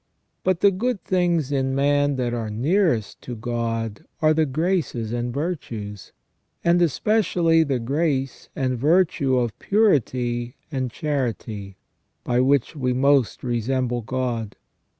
But the good things in man that are nearest to God are the graces and virtues, and especially the grace and virtue of purity and charity, by which we most resemble God.